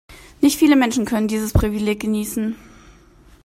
Nicht viele Menschen können dieses Privileg genießen.